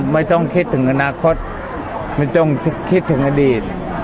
ไม่ต้องคิดถึงอนาคตไม่ต้องคิดถึงอดีต